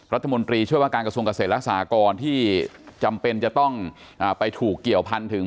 รัฐมนตรีช่วยว่าการกระทรวงเกษตรและสหกรที่จำเป็นจะต้องไปถูกเกี่ยวพันถึง